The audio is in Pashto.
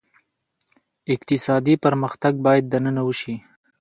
اقتصادي پرمختګ باید دننه وشي.